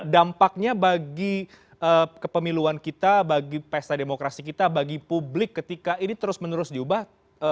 dampaknya bagi kepemiluan kita bagi pesta demokrasi kita bagi publik ketika ini terus menerus diubah